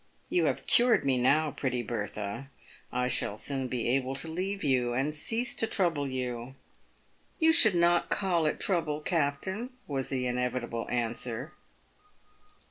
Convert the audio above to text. You have cured me now, pretty Bertha. I shall soon be able to leave you, and cease to trouble you." " You should not call it trouble, captain," was the inevitable answer.